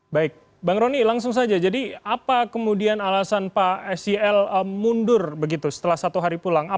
baik bang roni langsung saja jadi apa kemudian alasan pak sel mundur begitu setelah satu hari pulang